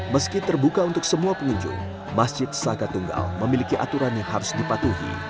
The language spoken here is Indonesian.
meski terbuka untuk semua pengunjung masjid saka tunggal memiliki aturan yang harus dipatuhi